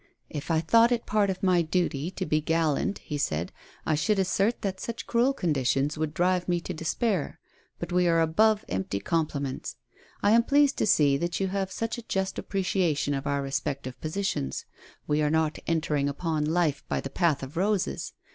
"If I thought it part of my duty to be gallant," he said, " I should assert that such cruel conditions would drive me to despair. But we are above empty compli ments. I am pleased to see that you have such a just appreciation of our respective positions. We are not entering upon life hy the path of roses.